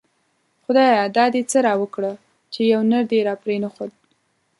خدايه دا دی څه راوکړه ;چی يو نر دی راپری نه ښود